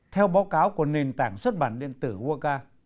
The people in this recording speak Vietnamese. theo báo cáo của nền tảng xuất bản điện tử worlca